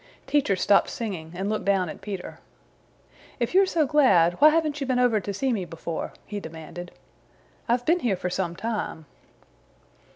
Teacher stopped singing and looked down at Peter. "If you are so glad why haven't you been over to see me before?" he demanded. "I've been here for some time."